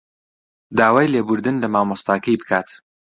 داوای لێبوردن لە مامۆستاکەی بکات